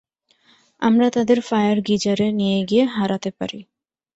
আমরা তাদের ফায়ার গিজারে নিয়ে গিয়ে হারাতে পারি।